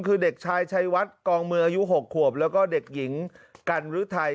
คือเด็กชายชัยวัดกองมืออายุ๖ขวบแล้วก็เด็กหญิงกันหรือไทย